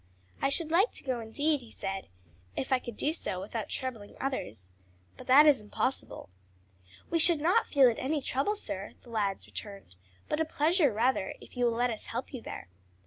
"I should like to go indeed," he said, "if I could do so without troubling others; but that is impossible." "We should not feel it any trouble, sir." the lads returned, "but a pleasure rather, if you will let us help you there."